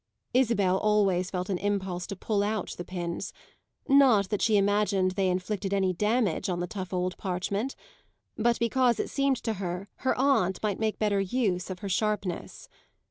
Isabel always felt an impulse to pull out the pins; not that she imagined they inflicted any damage on the tough old parchment, but because it seemed to her her aunt might make better use of her sharpness.